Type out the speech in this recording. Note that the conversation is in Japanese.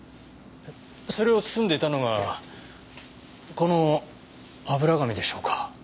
それを包んでいたのがこの油紙でしょうか？